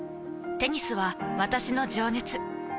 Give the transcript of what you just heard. テニスは私の情熱。